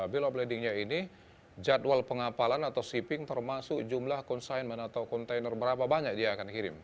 bill of lading nya ini jadwal pengapalan atau shipping termasuk jumlah consignment atau container berapa banyak dia akan kirim